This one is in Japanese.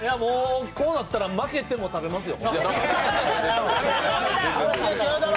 こうなったら負けても食べますよ。